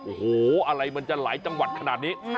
โอ้โหอะไรมันจะหลายจังหวัดขนาดนี้